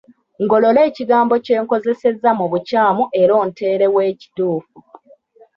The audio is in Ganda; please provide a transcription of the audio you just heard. Ngolola ekigambo kye nkozesezza mu bukyamu era onteerewo ekituufu.